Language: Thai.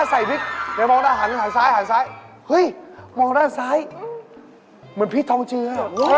เฮ่ยเดี๋ยวก่อนจำพูดไม่ได้จริงเหรอ